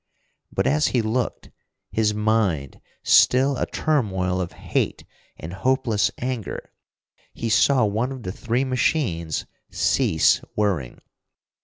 But as he looked, his mind still a turmoil of hate and hopeless anger, he saw one of the three machines cease whirring.